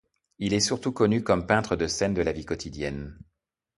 Il est surtout connu comme peintre de scènes de la vie quotidienne.